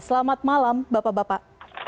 selamat malam bapak bapak